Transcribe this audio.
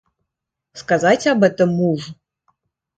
Сказать об этом мужу?